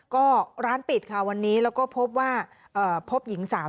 ก็ร้านปิดค่ะวันนี้แล้วก็พบว่าพบหญิงสาว